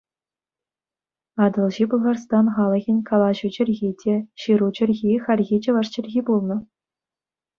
Атӑлҫи Пӑлхарстан халӑхӗн калаҫу чӗлхи те ҫыру чӗлхи хальхи чӑваш чӗлхи пулнӑ.